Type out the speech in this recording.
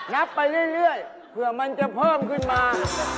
นับไปเรื่อยเผื่อมันจะเพิ่มขึ้นมา